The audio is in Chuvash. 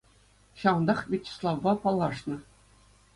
Ҫавӑнтах Вячеславпа паллашнӑ.